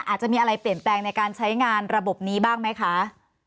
อาจจะมีอะไรเปลี่ยนแปลงในการใช้งานระบบนี้บ้างไหมคะ